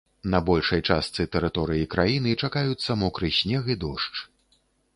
На большай частцы тэрыторыі краіны чакаюцца мокры снег і дождж.